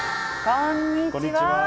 こんにちは。